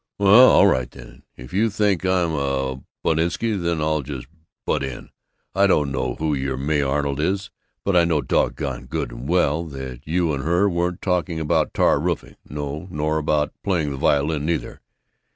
"Well, all right then! If you think I'm a buttinsky, then I'll just butt in! I don't know who your May Arnold is, but I know doggone good and well that you and her weren't talking about tar roofing, no, nor about playing the violin, neither!